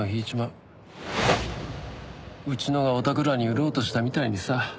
うちのがおたくらに売ろうとしたみたいにさ。